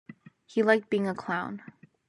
He liked being a clown.